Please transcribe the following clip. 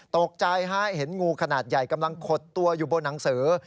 ตกใจฮะเห็นงูขนาดใหญ่กำลังขดตัวอยู่บนหนังสือ